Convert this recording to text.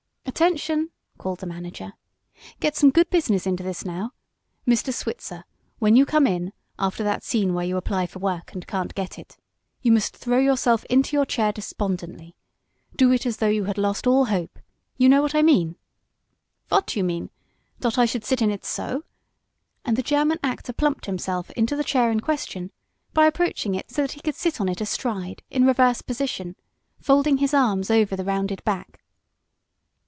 "Attention!" called the manager. "Get some good business into this, now. Mr. Switzer, when you come in, after that scene where you apply for work, and can't get it, you must throw yourself into your chair despondently. Do it as though you had lost all hope. You know what I mean." "Vot you mean? Dot I should sit in it so?" and the German actor plumped himself into the chair in question by approaching it so that he could sit on it in astride, in reverse position, folding his arms over the rounded back.